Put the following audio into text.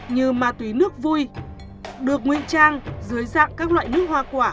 như ma túy nước vui được nguy trang dưới dạng các loại nước hoa quả